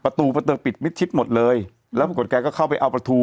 ประตูปิดมิดชิดหมดเลยแล้วปรากฏแกก็เข้าไปเอาประตู